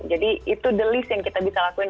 jadi itu the least yang kita bisa lakuin